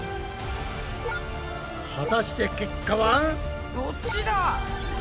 果たして結果は？どっちだ？